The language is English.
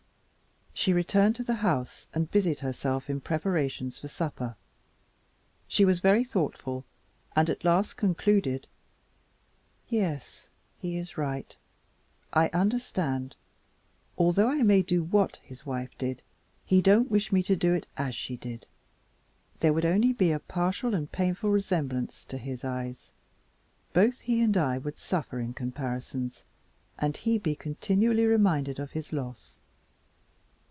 She returned to the house and busied herself in preparations for supper. She was very thoughtful, and at last concluded: "Yes, he is right. I understand. Although I may do WHAT his wife did, he don't wish me to do it AS she did. There could only be a partial and painful resemblance to his eyes. Both he and I would suffer in comparisons, and he be continually reminded of his loss.